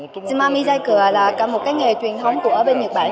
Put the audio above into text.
tsumami dài cửa là một cái nghề truyền thống của bên nhật bản